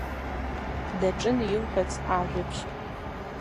Даҿын илҳәац ажәабжь.